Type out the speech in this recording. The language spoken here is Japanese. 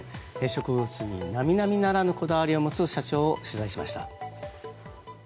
植物に並々ならぬこだわりを持つ社長を取材しました。